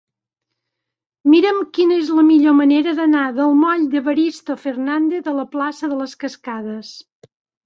Mira'm quina és la millor manera d'anar del moll d'Evaristo Fernández a la plaça de les Cascades.